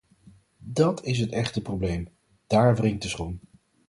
Dát is het echte probleem, dáár wringt de schoen.